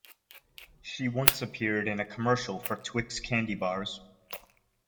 She once appeared in a commercial for Twix candy bars.